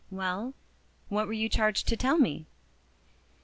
"Well, what were you charged to tell me?"